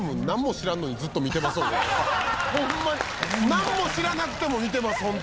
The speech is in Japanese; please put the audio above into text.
なんも知らなくても見てます